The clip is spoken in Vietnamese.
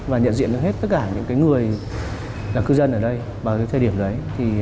và nhận diện hết tất cả thế giới tất cả những người cư dân ở đây vào thời điểm gì ấy